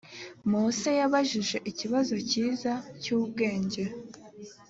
mose yabajije ikibazo cyiza cy ubwenge